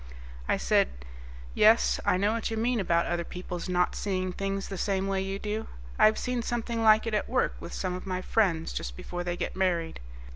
I said, "Yes, I know what you mean about other people's not seeing things the same way you do. I've seen something like it at work with some of my friends just before they get married.